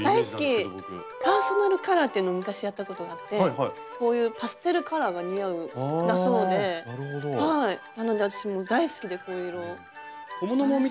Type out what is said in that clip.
パーソナルカラーっていうの昔やったことがあってこういうパステルカラーが似合うだそうでなので私大好きでこういう色。